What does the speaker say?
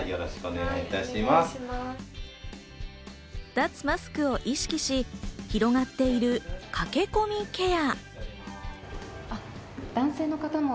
脱マスクを意識し、広がっている駆け込みケア。